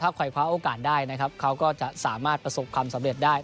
ใครคว้าโอกาสได้นะครับเขาก็จะสามารถประสบความสำเร็จได้